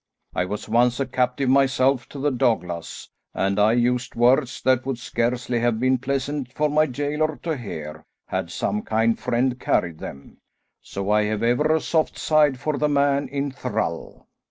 I was once a captive myself to the Douglas, and I used words that would scarcely have been pleasant for my gaoler to hear had some kind friend carried them, so I have ever a soft side for the man in thrall."